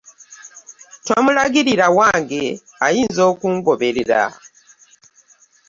Tomulagirira wange ayinza okungoberera.